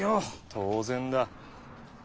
当然だ。